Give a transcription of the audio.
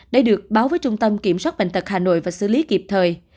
để được báo với trung tâm kiểm soát bệnh tật hà nội và xử lý kịp thời